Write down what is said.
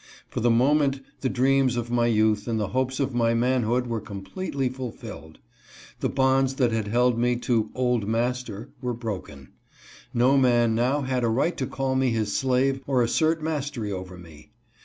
For the moment the dreams of my youth and the hopes of my manhood were completely fulfilled. The bonds that had held me to " old master" were broken. No man now had a right to call me his slave or assert mastery over me.